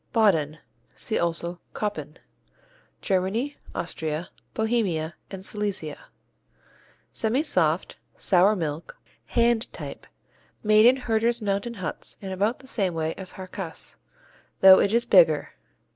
Bauden (see also Koppen) Germany, Austria, Bohemia and Silesia Semisoft, sour milk, hand type, made in herders' mountain huts in about the same way as Harzkäse, though it is bigger.